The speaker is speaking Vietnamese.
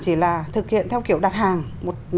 chỉ là thực hiện theo kiểu đặt hàng một